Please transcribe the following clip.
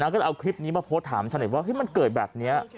ก็เลยเอาคลิปนี้มาโพสต์ถามชาวเน็ตว่ามันเกิดแบบนี้